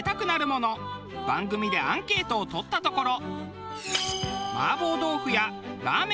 番組でアンケートを取ったところ。